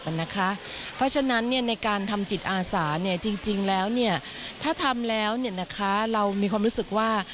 เพราะฉะนั้นในการทำจิตอาสาจริงแล้วถ้าทำแล้วเรามีความรู้สึกว่า